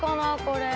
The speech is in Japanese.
これ。